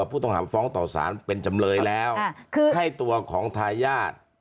ผู้ต้องหาฟ้องต่อสารเป็นจำเลยแล้วคือให้ตัวของทายาท